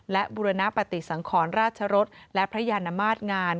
และบุรณปฏิสังขรราชรสและพระยานมาตรงาน